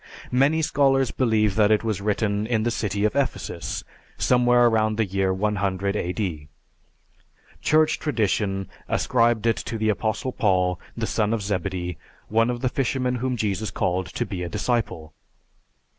Many scholars believe that it was written in the city of Ephesus, somewhere around the year 100 A.D. "Church tradition ascribed it to the Apostle John, the son of Zebedee, one of the fishermen whom Jesus called to be a disciple.